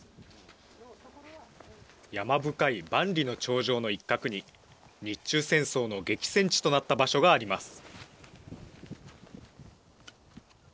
山深い万里の長城の一角に日中戦争の激戦地となった場所があります。